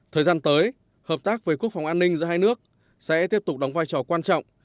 thời gian tới hợp tác với quốc phòng an ninh giữa hai nước sẽ tiếp tục đóng vai trò quan trọng